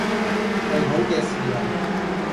係好嘅事嚟